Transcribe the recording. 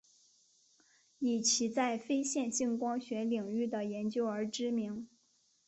以其在非线性光学领域的研究而知名。